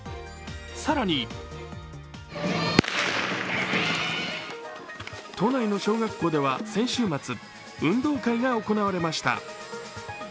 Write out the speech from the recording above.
更に都内の小学校では先週末、運動会が行われました。